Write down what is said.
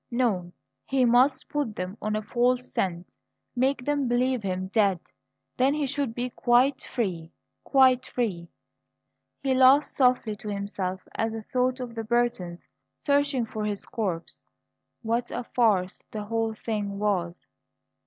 No; he must put them on a false scent make them believe him dead; then he should be quite free quite free. He laughed softly to himself at the thought of the Burtons searching for his corpse. What a farce the whole thing was!